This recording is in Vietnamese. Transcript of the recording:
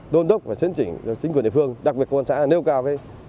đôn đốc và chấn chỉnh chính quyền địa phương đặc biệt công an xã nêu cao